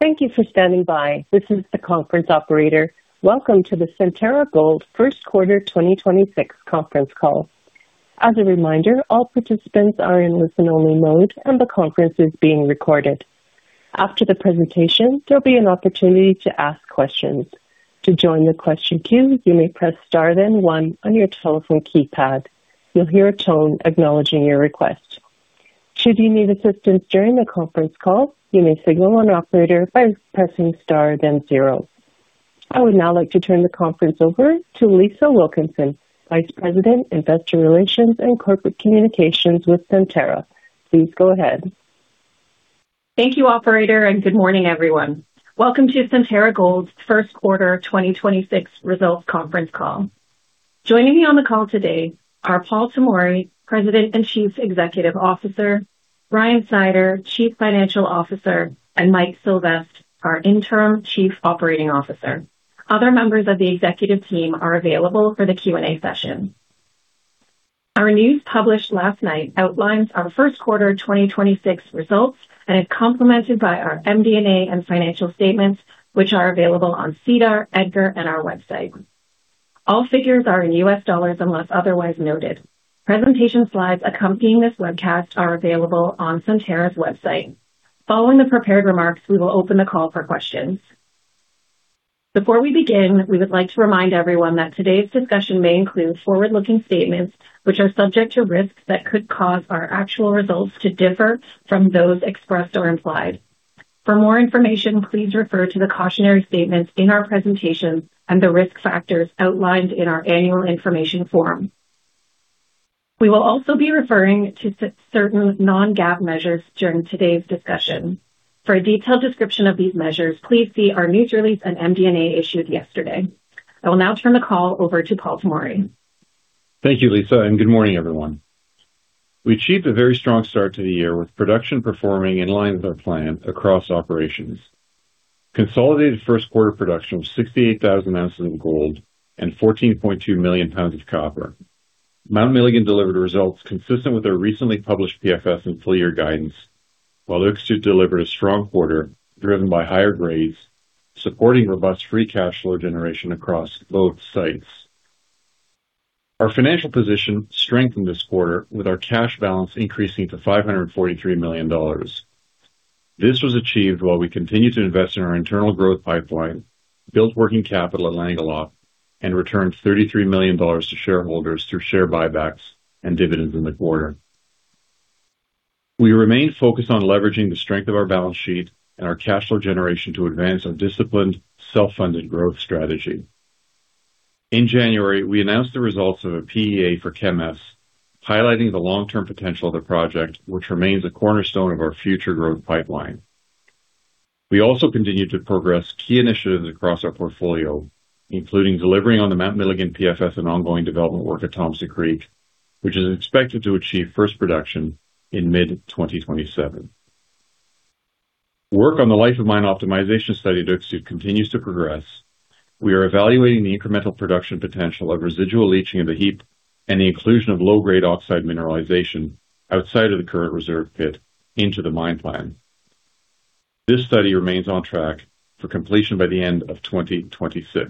Thank you for standing by. This is the conference operator. Welcome to the Centerra Gold First Quarter 2026 Conference Call. As a reminder, all participants are in listen-only mode, and the conference is being recorded. After the presentation, there'll be an opportunity to ask questions. To join the question queue, you may press star then one on your telephone keypad. You'll hear a tone acknowledging your request. Should you need assistance during the conference call, you may signal an operator by pressing star then zero. I would now like to turn the conference over to Lisa Wilkinson, Vice President, Investor Relations and Corporate Communications with Centerra. Please go ahead. Thank you, operator, and good morning, everyone. Welcome to Centerra Gold's First Quarter 2026 Results Conference Call. Joining me on the call today are Paul Tomory, President and Chief Executive Officer, Ryan Snyder, Chief Financial Officer, and Mike Sylvestre, our Interim Chief Operating Officer. Other members of the executive team are available for the Q&A session. Our news published last night outlines our first quarter 2026 results and is complemented by our MD&A and financial statements, which are available on SEDAR, EDGAR, and our website. All figures are in U.S. dollars unless otherwise noted. Presentation slides accompanying this webcast are available on Centerra's website. Following the prepared remarks, we will open the call for questions. Before we begin, we would like to remind everyone that today's discussion may include forward-looking statements which are subject to risks that could cause our actual results to differ from those expressed or implied. For more information, please refer to the cautionary statements in our presentations and the risk factors outlined in our annual information form. We will also be referring to certain non-GAAP measures during today's discussion. For a detailed description of these measures, please see our news release and MD&A issued yesterday. I will now turn the call over to Paul Tomory. Thank you, Lisa, and good morning, everyone. We achieved a very strong start to the year with production performing in line with our plan across operations. Consolidated first quarter production of 68,000 ounces of gold and 14.2 million tons of copper. Mount Milligan delivered results consistent with our recently published PFS and full-year guidance, while Öksüt delivered a strong quarter driven by higher grades, supporting robust free cash flow generation across both sites. Our financial position strengthened this quarter with our cash balance increasing to $543 million. This was achieved while we continued to invest in our internal growth pipeline, built working capital at Langeloth, and returned $33 million to shareholders through share buybacks and dividends in the quarter. We remain focused on leveraging the strength of our balance sheet and our cash flow generation to advance our disciplined self-funded growth strategy. In January, we announced the results of a PEA for Kemess, highlighting the long-term potential of the project, which remains a cornerstone of our future growth pipeline. We also continued to progress key initiatives across our portfolio, including delivering on the Mount Milligan PFS and ongoing development work at Thompson Creek, which is expected to achieve first production in mid-2027. Work on the life of mine optimization study at Öksüt continues to progress. We are evaluating the incremental production potential of residual leaching of the heap and the inclusion of low-grade oxide mineralization outside of the current reserve pit into the mine plan. This study remains on track for completion by the end of 2026.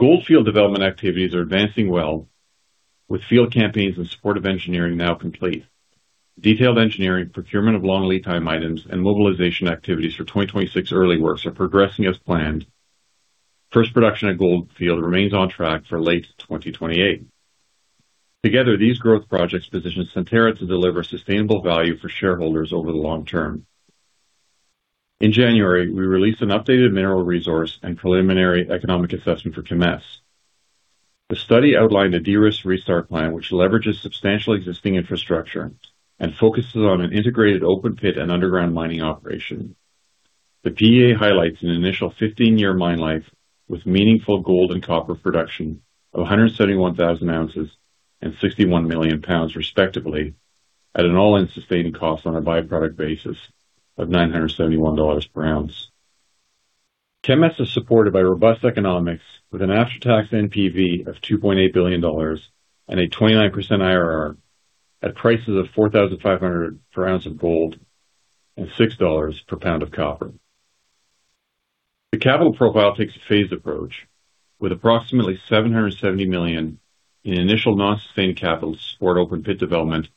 Goldfield development activities are advancing well with field campaigns and supportive engineering now complete. Detailed engineering, procurement of long lead time items, and mobilization activities for 2026 early works are progressing as planned. First production at Goldfield remains on track for late 2028. Together, these growth projects position Centerra to deliver sustainable value for shareholders over the long term. In January, we released an updated mineral resource and preliminary economic assessment for Kemess. The study outlined a de-risked restart plan which leverages substantial existing infrastructure and focuses on an integrated open pit and underground mining operation. The PEA highlights an initial 15-year mine life with meaningful gold and copper production of 171,000 ounces and 61 million pounds, respectively, at an all-in sustaining cost on a byproduct basis of $971 per ounce. Kemess is supported by robust economics with an after-tax NPV of $2.8 billion and a 29% IRR at prices of $4,500 per ounce of gold and $6 per pound of copper. The capital profile takes a phased approach, with approximately $770 million in initial non-sustaining capital to support open pit development,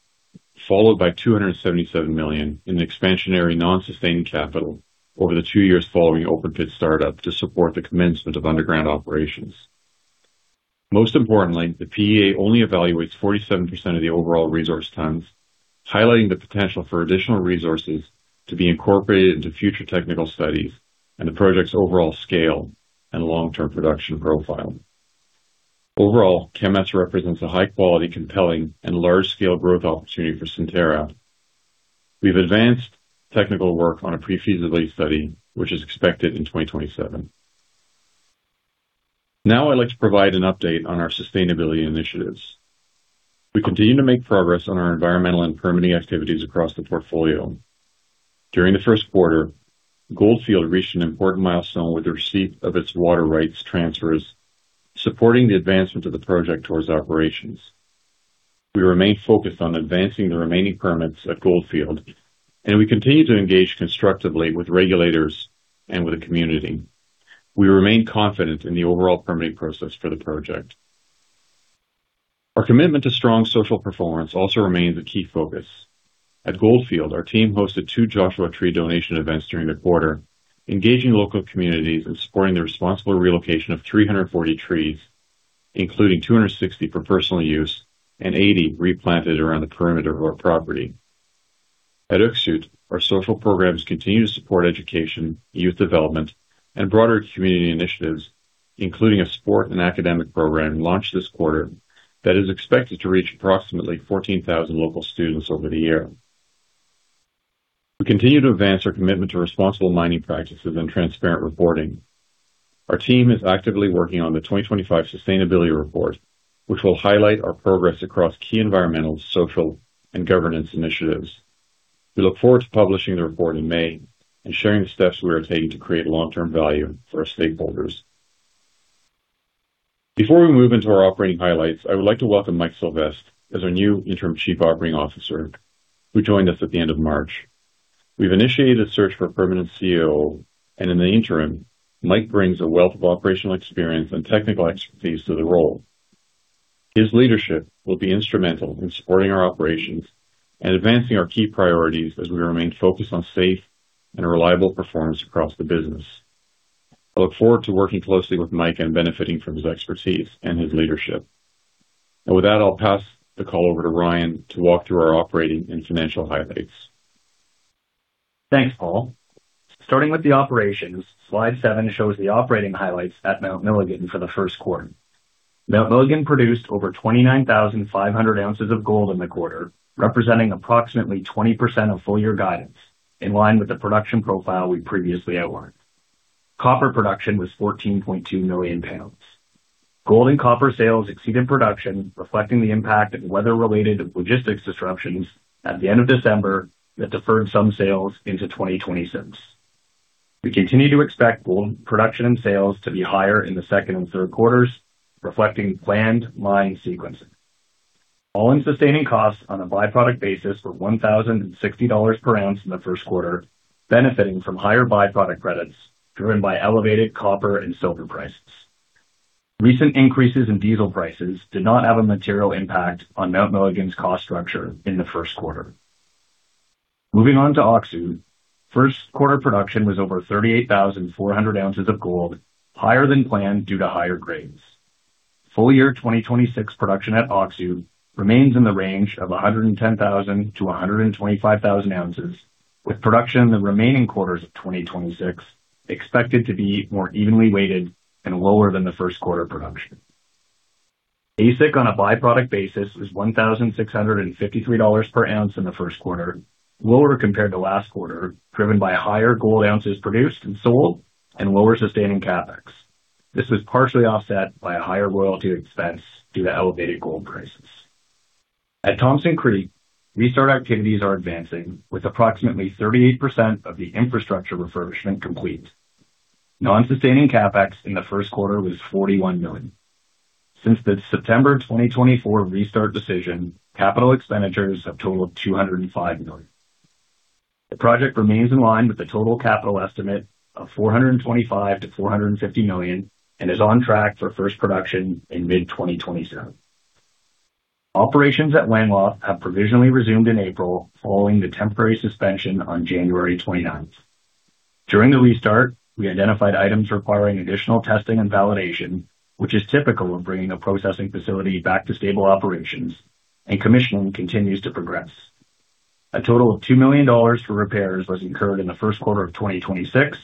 followed by $277 million in expansionary non-sustaining capital over the two years following open pit start-up to support the commencement of underground operations. Most importantly, the PEA only evaluates 47% of the overall resource tons, highlighting the potential for additional resources to be incorporated into future technical studies and the project's overall scale and long-term production profile. Overall, Kemess represents a high-quality, compelling, and large-scale growth opportunity for Centerra. We've advanced technical work on a pre-feasibility study, which is expected in 2027. Now I'd like to provide an update on our sustainability initiatives. We continue to make progress on our environmental and permitting activities across the portfolio. During the first quarter, Goldfield reached an important milestone with the receipt of its water rights transfers, supporting the advancement of the project towards operations. We remain focused on advancing the remaining permits at Goldfield. We continue to engage constructively with regulators and with the community. We remain confident in the overall permitting process for the project. Our commitment to strong social performance also remains a key focus. At Goldfield, our team hosted two Joshua Tree donation events during the quarter, engaging local communities and supporting the responsible relocation of 340 trees, including 260 for personal use and 80 replanted around the perimeter of our property. At Öksüt, our social programs continue to support education, youth development, and broader community initiatives, including a sport and academic program launched this quarter that is expected to reach approximately 14,000 local students over the year. We continue to advance our commitment to responsible mining practices and transparent reporting. Our team is actively working on the 2025 sustainability report, which will highlight our progress across key environmental, social, and governance initiatives. We look forward to publishing the report in May and sharing the steps we are taking to create long-term value for our stakeholders. Before we move into our operating highlights, I would like to welcome Mike Sylvestre as our new interim Chief Operating Officer, who joined us at the end of March. We've initiated a search for a permanent COO, and in the interim, Mike Sylvestre brings a wealth of operational experience and technical expertise to the role. His leadership will be instrumental in supporting our operations and advancing our key priorities as we remain focused on safe and reliable performance across the business. I look forward to working closely with Mike and benefiting from his expertise and his leadership. With that, I'll pass the call over to Ryan to walk through our operating and financial highlights. Thanks, Paul. Starting with the operations, slide seven shows the operating highlights at Mount Milligan for the first quarter. Mount Milligan produced over 29,500 ounces of gold in the quarter, representing approximately 20% of full-year guidance, in line with the production profile we previously outlined. Copper production was 14.2 million pounds. Gold and copper sales exceeded production, reflecting the impact of weather-related logistics disruptions at the end of December that deferred some sales into 2026. We continue to expect gold production and sales to be higher in the second and third quarters, reflecting planned mine sequencing. All-in sustaining costs on a byproduct basis were $1,060 per ounce in the first quarter, benefiting from higher byproduct credits driven by elevated copper and silver prices. Recent increases in diesel prices did not have a material impact on Mount Milligan's cost structure in the first quarter. Moving on to Öksüt, first quarter production was over 38,400 ounces of gold, higher than planned due to higher grades. Full year 2026 production at Öksüt remains in the range of 110,000 to 125,000 ounces, with production in the remaining quarters of 2026 expected to be more evenly weighted and lower than the first quarter production. AISC on a byproduct basis was $1,653 per ounce in the first quarter, lower compared to last quarter, driven by higher gold ounces produced and sold and lower sustaining CapEx. This was partially offset by a higher royalty expense due to elevated gold prices. At Thompson Creek, restart activities are advancing, with approximately 38% of the infrastructure refurbishment complete. Non-sustaining CapEx in the first quarter was $41 million. Since the September 2024 restart decision, capital expenditures have totaled $205 million. The project remains in line with the total capital estimate of $425 million-$450 million and is on track for first production in mid-2027. Operations at Langeloth have provisionally resumed in April following the temporary suspension on January 29th. During the restart, we identified items requiring additional testing and validation, which is typical of bringing a processing facility back to stable operations, and commissioning continues to progress. A total of $2 million for repairs was incurred in the first quarter of 2026,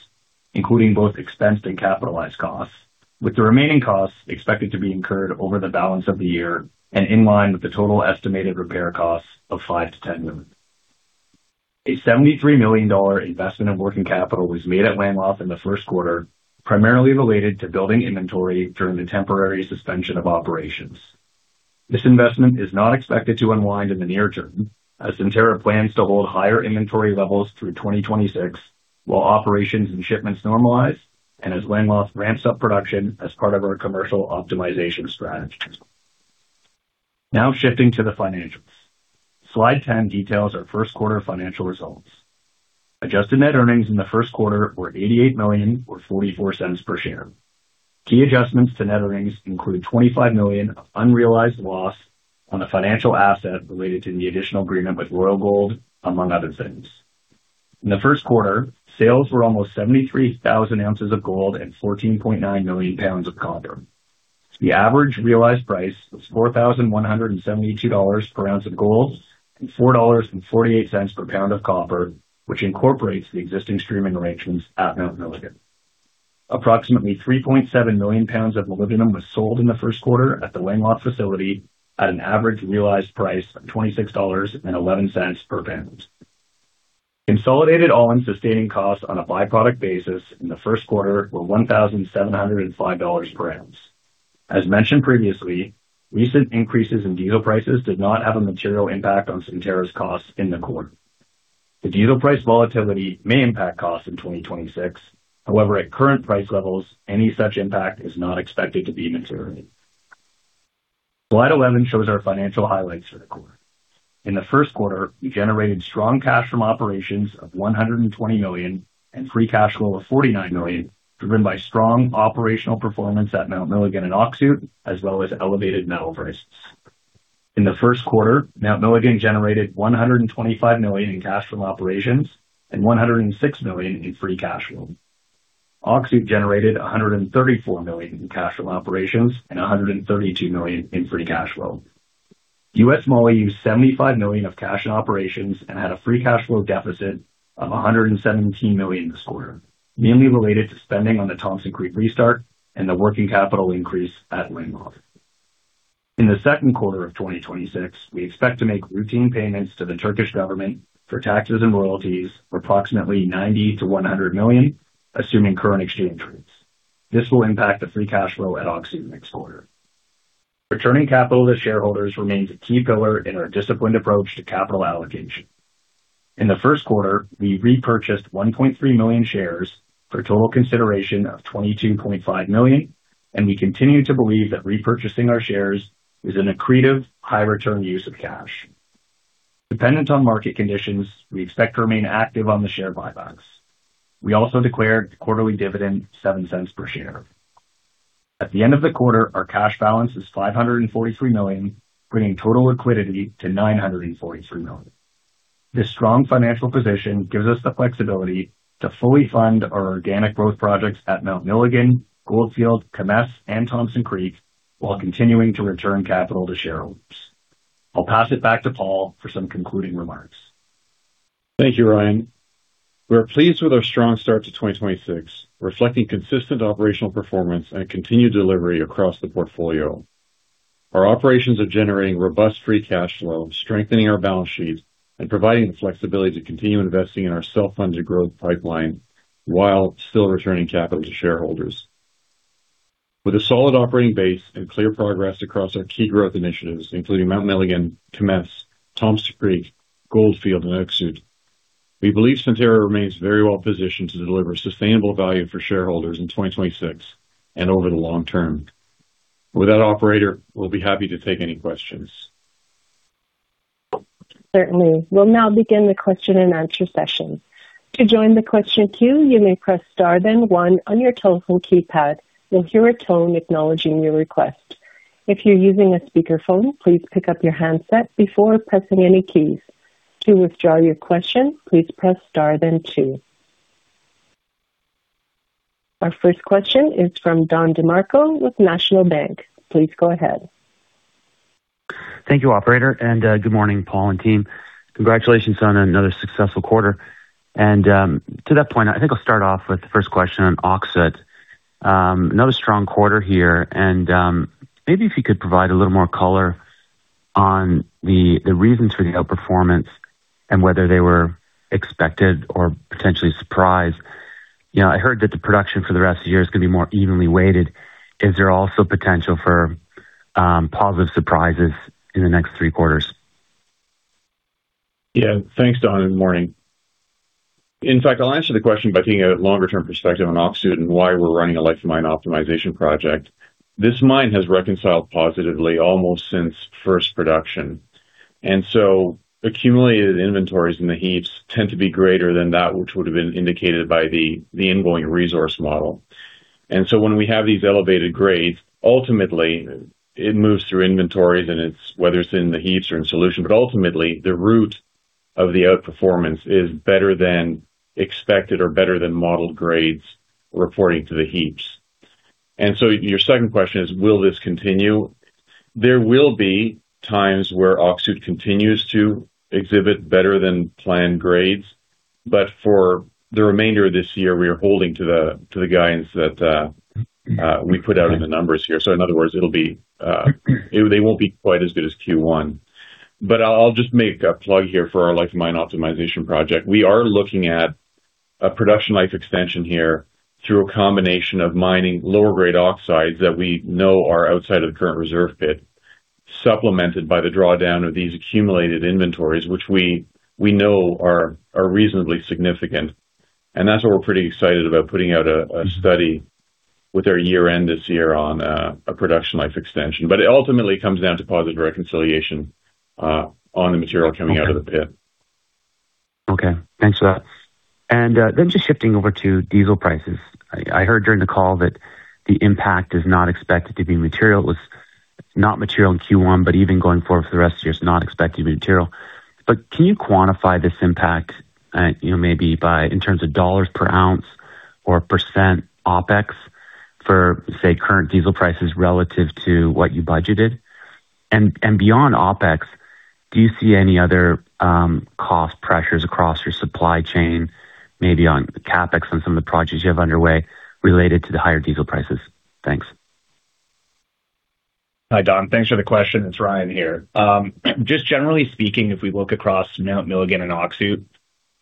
including both expensed and capitalized costs, with the remaining costs expected to be incurred over the balance of the year and in line with the total estimated repair costs of $5 million-$10 million. A $73 million investment in working capital was made at Langeloth in the first quarter, primarily related to building inventory during the temporary suspension of operations. This investment is not expected to unwind in the near term, as Centerra plans to hold higher inventory levels through 2026 while operations and shipments normalize and as Langeloth ramps up production as part of our commercial optimization strategy. Shifting to the financials. Slide 10 details our first quarter financial results. Adjusted net earnings in the first quarter were $88 million or $0.44 per share. Key adjustments to net earnings include $25 million of unrealized loss on a financial asset related to the additional agreement with Royal Gold, among other things. In the first quarter, sales were almost 73,000 ounces of gold and 14.9 million pounds of copper. The average realized price was $4,172 per ounce of gold and $4.48 per pound of copper, which incorporates the existing streaming arrangements at Mount Milligan. Approximately 3.7 million pounds of molybdenum was sold in the first quarter at the Langeloth facility at an average realized price of $26.11 per pound. Consolidated all-in sustaining costs on a byproduct basis in the first quarter were $1,705 per ounce. As mentioned previously, recent increases in diesel prices did not have a material impact on Centerra's costs in the quarter. The diesel price volatility may impact costs in 2026. However, at current price levels, any such impact is not expected to be material. Slide 11 shows our financial highlights for the quarter. In the first quarter, we generated strong cash from operations of $120 million and free cash flow of $49 million, driven by strong operational performance at Mount Milligan and Öksüt, as well as elevated metal prices. In the first quarter, Mount Milligan generated $125 million in cash from operations and $106 million in free cash flow. Öksüt generated $134 million in cash from operations and $132 million in free cash flow. U.S. Moly used $75 million of cash in operations and had a free cash flow deficit of $117 million this quarter, mainly related to spending on the Thompson Creek restart and the working capital increase at Langeloth. In the second quarter of 2026, we expect to make routine payments to the Turkish government for taxes and royalties of approximately $90 million-$100 million, assuming current exchange rates. This will impact the free cash flow at Öksüt next quarter. Returning capital to shareholders remains a key pillar in our disciplined approach to capital allocation. In the first quarter, we repurchased 1.3 million shares for a total consideration of $22.5 million, we continue to believe that repurchasing our shares is an accretive high return use of cash. Dependent on market conditions, we expect to remain active on the share buybacks. We also declared a quarterly dividend $0.07 per share. At the end of the quarter, our cash balance is $543 million, bringing total liquidity to $943 million. This strong financial position gives us the flexibility to fully fund our organic growth projects at Mount Milligan, Goldfield, Kemess, and Thompson Creek, while continuing to return capital to shareholders. I'll pass it back to Paul for some concluding remarks. Thank you, Ryan. We are pleased with our strong start to 2026, reflecting consistent operational performance and continued delivery across the portfolio. Our operations are generating robust free cash flow, strengthening our balance sheet and providing the flexibility to continue investing in our self-funded growth pipeline while still returning capital to shareholders. With a solid operating base and clear progress across our key growth initiatives, including Mount Milligan, Kemess, Thompson Creek, Goldfield, and Öksüt, we believe Centerra remains very well positioned to deliver sustainable value for shareholders in 2026 and over the long term. With that operator, we'll be happy to take any questions. Certainly. We'll now begin the question and answer session. To join the question queue, you may press star then one on your telephone keypad. You'll hear a tone acknowledging your request. If you're using a speakerphone, please pick up your handset before pressing any keys. To withdraw your question, please press star then two. Our first question is from Don DeMarco with National Bank. Please go ahead. Thank you, operator. Good morning, Paul and team. Congratulations on another successful quarter. To that point, I think I'll start off with the first question on Öksüt. Another strong quarter here. Maybe if you could provide a little more color on the reasons for the outperformance and whether they were expected or potentially surprised. You know, I heard that the production for the rest of the year is gonna be more evenly weighted. Is there also potential for positive surprises in the next three quarters? Thanks, Don, and morning. In fact, I will answer the question by taking a longer-term perspective on Öksüt and why we are running a life of mine optimization project. This mine has reconciled positively almost since first production. Accumulated inventories in the heaps tend to be greater than that which would have been indicated by the ongoing resource model. When we have these elevated grades, ultimately it moves through inventories and it's whether it's in the heaps or in solution. Ultimately, the root of the outperformance is better than expected or better than modeled grades reporting to the heaps. Your second question is, will this continue? There will be times where Öksüt continues to exhibit better than planned grades, but for the remainder of this year, we are holding to the guidance that we put out in the numbers here. In other words, it'll be, they won't be quite as good as Q1. I'll just make a plug here for our life of mine optimization project. We are looking at a production life extension here through a combination of mining lower grade oxides that we know are outside of the current reserve pit, supplemented by the drawdown of these accumulated inventories, which we know are reasonably significant. That's what we're pretty excited about, putting out a study with our year-end this year on a production life extension. It ultimately comes down to positive reconciliation on the material coming out of the pit. Okay. Thanks for that. Just shifting over to diesel prices. I heard during the call that the impact is not expected to be material. It's not material in Q1, but even going forward for the rest of the year, it's not expected to be material. Can you quantify this impact, you know, maybe by in terms of dollars per ounce or percent OpEx for, say, current diesel prices relative to what you budgeted? And beyond OpEx, do you see any other cost pressures across your supply chain, maybe on the CapEx and some of the projects you have underway related to the higher diesel prices? Thanks. Hi, Don. Thanks for the question. It's Ryan here. Just generally speaking, if we look across Mount Milligan and Öksüt,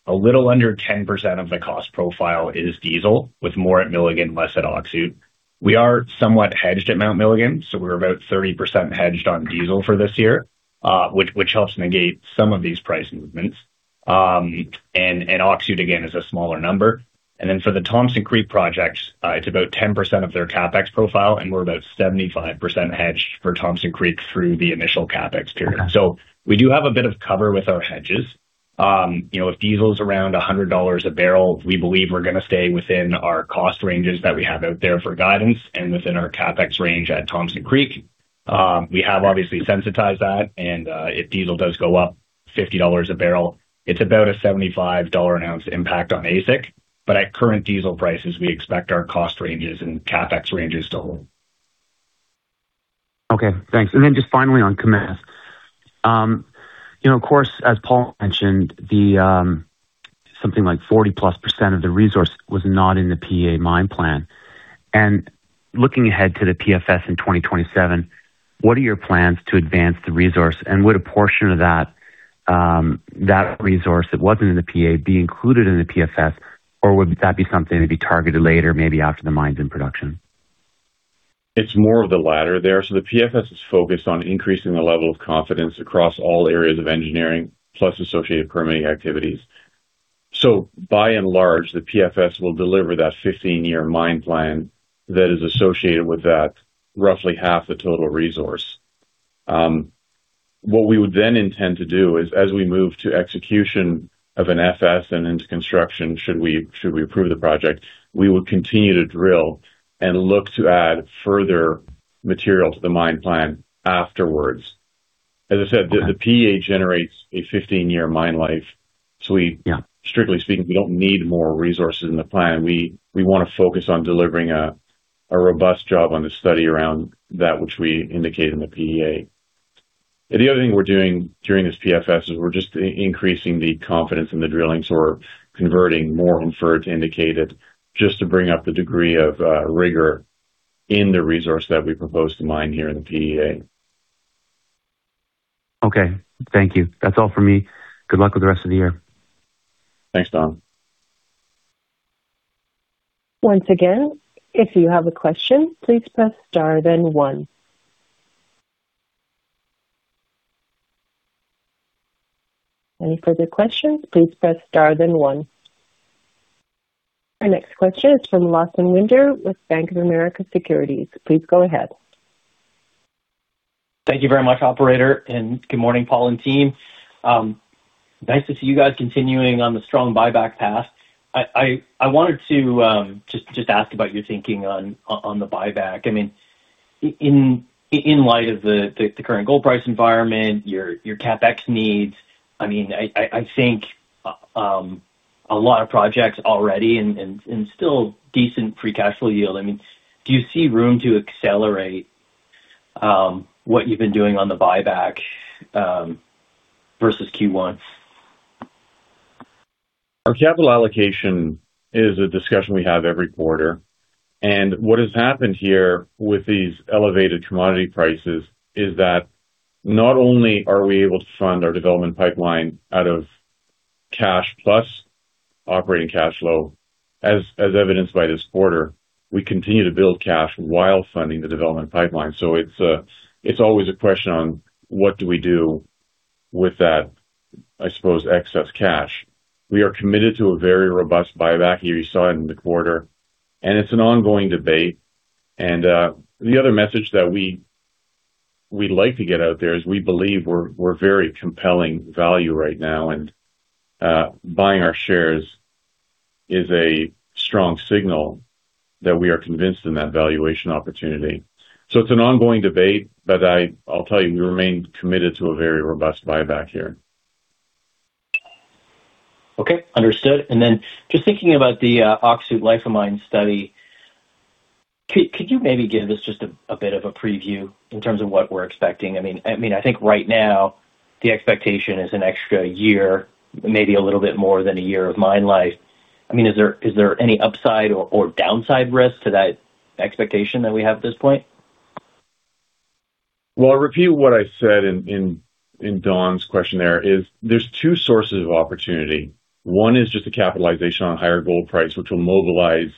a little under 10% of the cost profile is diesel, with more at Milligan, less at Öksüt. We are somewhat hedged at Mount Milligan. We're about 30% hedged on diesel for this year, which helps negate some of these price movements. Öksüt again is a smaller number. For the Thompson Creek projects, it's about 10% of their CapEx profile, and we're about 75% hedged for Thompson Creek through the initial CapEx period. We do have a bit of cover with our hedges. You know, if diesel is around $100 a barrel, we believe we're gonna stay within our cost ranges that we have out there for guidance and within our CapEx range at Thompson Creek. We have obviously sensitized that and, if diesel does go up $50 a barrel, it's about a $75 an ounce impact on AISC. At current diesel prices, we expect our cost ranges and CapEx ranges to hold. Okay, thanks. Then just finally on Kemess. you know, of course, as Paul mentioned, the something like 40+% of the resource was not in the PEA mine plan. Looking ahead to the PFS in 2027, what are your plans to advance the resource, and would a portion of that resource that wasn't in the PEA be included in the PFS, or would that be something to be targeted later, maybe after the mine's in production? It's more of the latter there. The PFS is focused on increasing the level of confidence across all areas of engineering plus associated permitting activities. By and large, the PFS will deliver that 15-year mine plan that is associated with that roughly half the total resource. What we would intend to do is, as we move to execution of an FS and into construction, should we approve the project, we will continue to drill and look to add further material to the mine plan afterwards. As I said, the PEA generates a 15-year mine life. Yeah. Strictly speaking, we don't need more resources in the plan. We wanna focus on delivering a robust job on the study around that which we indicate in the PEA. The other thing we're doing during this PFS is we're just increasing the confidence in the drilling, so we're converting more inferred to indicated just to bring up the degree of rigor in the resource that we propose to mine here in the PEA. Okay. Thank you. That's all for me. Good luck with the rest of the year. Thanks, Don. Once again, if you have a question, please press star then one. Any further questions, please press star then one. Our next question is from Lawson Winder with Bank of America Securities. Please go ahead. Thank you very much, operator. Good morning, Paul and team. Nice to see you guys continuing on the strong buyback path. I wanted to just ask about your thinking on the buyback. I mean, in light of the current gold price environment, your CapEx needs, I mean, I think a lot of projects already and still decent free cash flow yield. I mean, do you see room to accelerate what you've been doing on the buyback versus Q1? Our capital allocation is a discussion we have every quarter. What has happened here with these elevated commodity prices is that not only are we able to fund our development pipeline out of cash plus operating cash flow, as evidenced by this quarter, we continue to build cash while funding the development pipeline. It's always a question on what do we do with that, I suppose, excess cash. We are committed to a very robust buyback here. You saw it in the quarter, and it's an ongoing debate. The other message that we'd like to get out there is we believe we're very compelling value right now, and buying our shares is a strong signal that we are convinced in that valuation opportunity. It's an ongoing debate, but I'll tell you, we remain committed to a very robust buyback here. Okay. Understood. Then just thinking about the Öksüt life of mine study, could you maybe give us just a bit of a preview in terms of what we're expecting? I mean, I think right now the expectation is an extra year, maybe a little bit more than a year of mine life. I mean, is there any upside or downside risk to that expectation that we have at this point? Well, I'll repeat what I said in Don's question there, is there's two sources of opportunity. One is just a capitalization on higher gold price, which will mobilize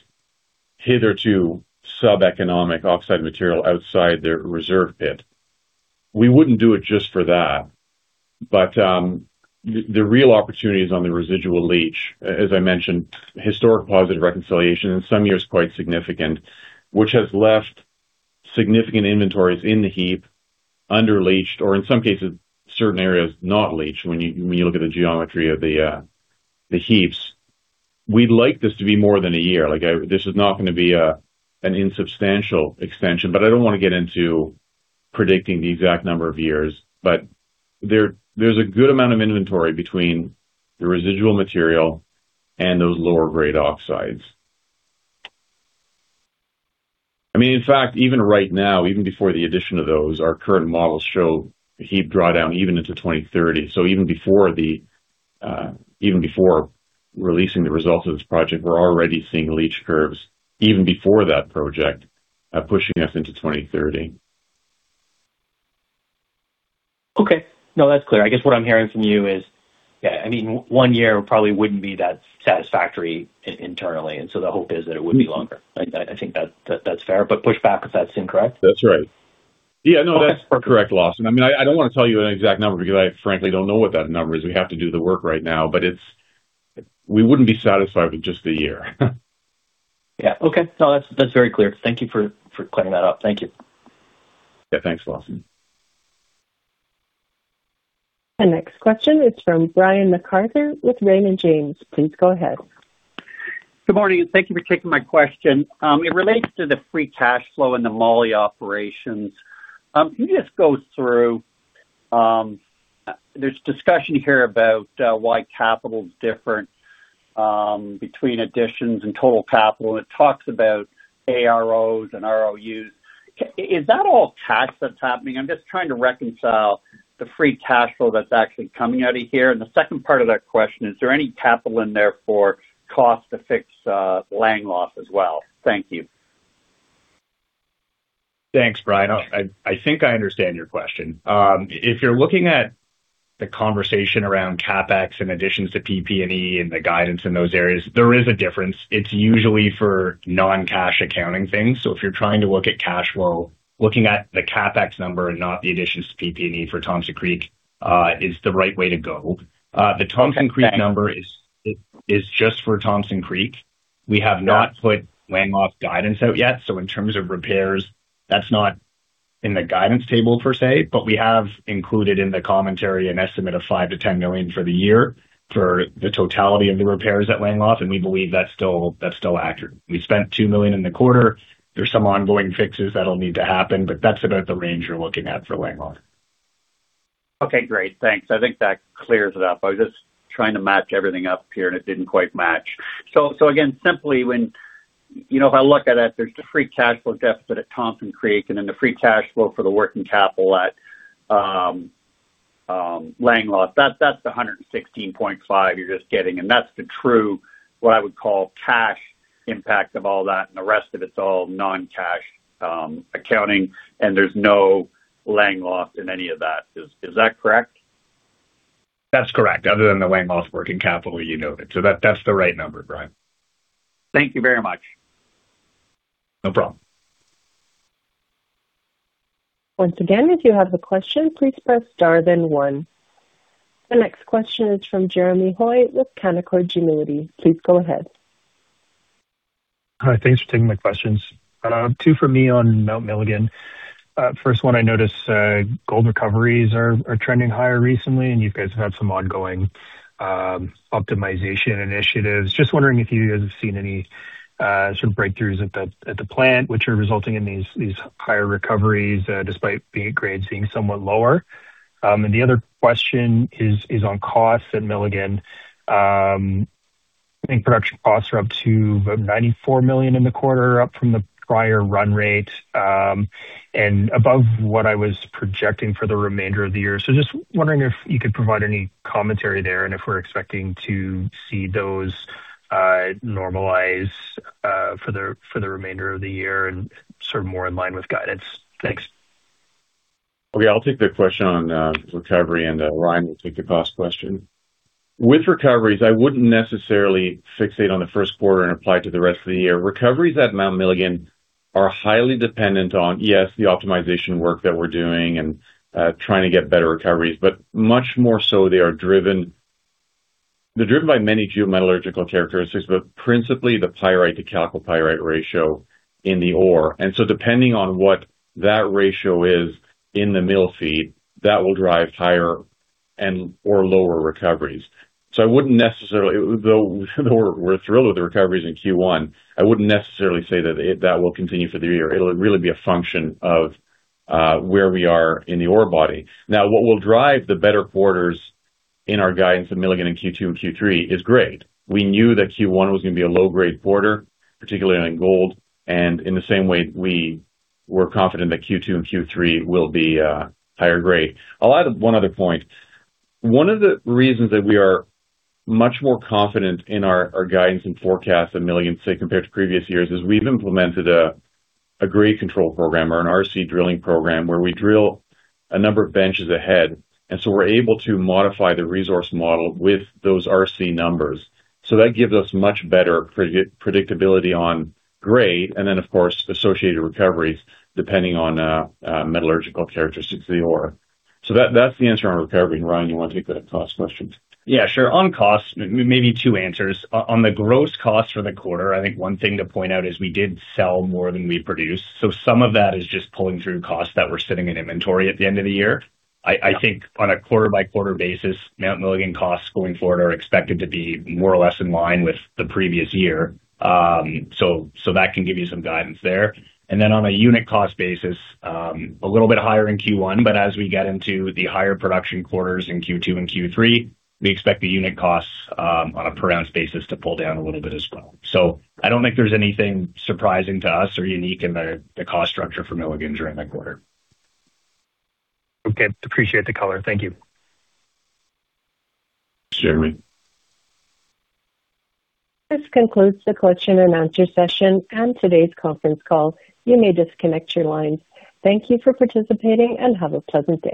hitherto sub-economic oxide material outside their reserve pit. We wouldn't do it just for that, the real opportunity is on the residual leach. As I mentioned, historic positive reconciliation in some years quite significant, which has left significant inventories in the heap under leached or in some cases, certain areas not leached when you look at the geometry of the heaps. We'd like this to be more than a year. This is not gonna be an insubstantial extension, I don't wanna get into predicting the exact number of years. There's a good amount of inventory between the residual material and those lower grade oxides. I mean, in fact, even right now, even before the addition of those, our current models show heap drawdown even into 2030. Even before releasing the results of this project, we're already seeing leach curves even before that project pushing us into 2030. Okay. No, that's clear. I guess what I'm hearing from you is, yeah, I mean, one year probably wouldn't be that satisfactory internally, the hope is that it would be longer. I think that's fair, Pushback if that's incorrect. That's right. Yeah, no, that's correct, Lawson. I mean, I don't wanna tell you an exact number because I frankly don't know what that number is. We have to do the work right now. We wouldn't be satisfied with just a year. Yeah, okay. No, that's very clear. Thank you for clearing that up. Thank you. Yeah, thanks, Lawson. The next question is from Brian MacArthur with Raymond James. Please go ahead. Good morning, and thank you for taking my question. It relates to the free cash flow in the Mali operations. Can you just go through? There's discussion here about why capital's different between additions and total capital, and it talks about AROs and ROUs. Is that all tax that's happening? I'm just trying to reconcile the free cash flow that's actually coming out of here. The second part of that question, is there any capital in there for cost to fix Langeloth as well? Thank you. Thanks, Brian. I think I understand your question. If you're looking at the conversation around CapEx in additions to PP&E and the guidance in those areas, there is a difference. It's usually for non-cash accounting things. If you're trying to look at cash flow, looking at the CapEx number and not the additions to PP&E for Thompson Creek, is the right way to go. The Thompson Creek number is just for Thompson Creek. We have not put Langeloth guidance out yet, so in terms of repairs, that's not in the guidance table per se, but we have included in the commentary an estimate of $5 million-$10 million for the year for the totality of the repairs at Langeloth, and we believe that's still accurate. We spent $2 million in the quarter. There's some ongoing fixes that'll need to happen, but that's about the range you're looking at for Langeloth. Okay, great. Thanks. I think that clears it up. I was just trying to match everything up here, and it didn't quite match. Again, simply when, you know, if I look at it, there's the free cash flow deficit at Thompson Creek and then the free cash flow for the working capital at Langeloth. That's the $116.5 you're just getting, and that's the true, what I would call cash impact of all that, and the rest of it's all non-cash accounting, and there's no Langeloth in any of that. Is that correct? That's correct. Other than the Langeloth working capital you noted. That's the right number, Brian. Thank you very much. No problem. Once again, if you have a question, please press star then one. The next question is from Jeremy Hoy with Canaccord Genuity. Please go ahead. Hi, thanks for taking my questions. Two for me on Mount Milligan. First one, I noticed, gold recoveries are trending higher recently, and you guys have had some ongoing optimization initiatives. Just wondering if you guys have seen any sort of breakthroughs at the plant which are resulting in these higher recoveries despite the grades being somewhat lower. The other question is on costs at Milligan. I think production costs are up to $94 million in the quarter, up from the prior run rate, and above what I was projecting for the remainder of the year. Just wondering if you could provide any commentary there and if we're expecting to see those normalize for the remainder of the year and sort of more in line with guidance. Thanks. Okay, I'll take the question on recovery, and Ryan will take the cost question. With recoveries, I wouldn't necessarily fixate on the first quarter and apply to the rest of the year. Recoveries at Mount Milligan are highly dependent on, yes, the optimization work that we're doing and trying to get better recoveries, but much more so they are driven by many geometallurgical characteristics, but principally the pyrite to chalcopyrite ratio in the ore. Depending on what that ratio is in the mill feed, that will drive higher and or lower recoveries. I wouldn't necessarily, though we're thrilled with the recoveries in Q1, I wouldn't necessarily say that that will continue for the year. It'll really be a function of where we are in the ore body. What will drive the better quarters in our guidance at Milligan in Q2 and Q3 is great. We knew that Q1 was going to be a low-grade quarter, particularly on gold, and in the same way, we were confident that Q2 and Q3 will be higher grade. I'll add one other point. One of the reasons that we are much more confident in our guidance and forecast at Milligan, say, compared to previous years, is we've implemented a grade control program or an RC drilling program where we drill a number of benches ahead. We're able to modify the resource model with those RC numbers. That gives us much better predictability on grade and then, of course, associated recoveries depending on metallurgical characteristics of the ore. That, that's the answer on recovery. Ryan, you want to take the cost question? Yeah, sure. On cost, maybe two answers. On the gross cost for the quarter, I think one thing to point out is we did sell more than we produced. Some of that is just pulling through costs that were sitting in inventory at the end of the year. I think on a quarter-by-quarter basis, Mount Milligan costs going forward are expected to be more or less in line with the previous year. That can give you some guidance there. On a unit cost basis, a little bit higher in Q1, but as we get into the higher production quarters in Q2 and Q3, we expect the unit costs on a per ounce basis to pull down a little bit as well. I don't think there's anything surprising to us or unique in the cost structure for Milligan during that quarter. Okay. Appreciate the color. Thank you. Thanks, Jeremy. This concludes the question and answer session and today's conference call. You may disconnect your lines. Thank you for participating, and have a pleasant day.